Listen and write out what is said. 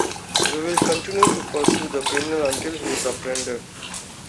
We will continue to pursue the criminal until he is apprehended.